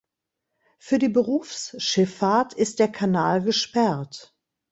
Für die Berufsschifffahrt ist der Kanal gesperrt.